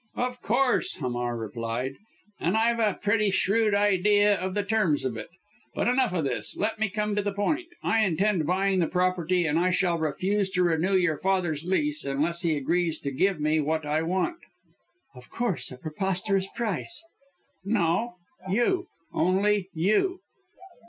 "Of course," Hamar replied, "and I've a pretty shrewd idea of the terms of it. But enough of this let me come to the point. I intend buying the property, and I shall refuse to renew your father's lease, unless he agrees to give me what I want!" "Of course a preposterous price?" "No, you only you!"